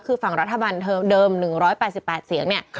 คือฝั่งรัฐบาลเดิม๑๘๘เสียงเนี่ย